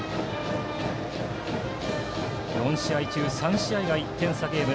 ４試合中３試合が１点差ゲーム。